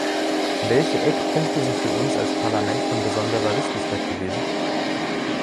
Welche Eckpunkte sind für uns als Parlament von besonderer Wichtigkeit gewesen?